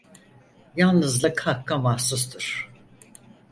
Yalnızlık Hakk'a mahsustur.